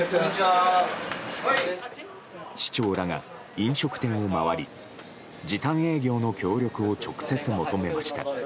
市長らが飲食店を回り時短営業の協力を直接求めました。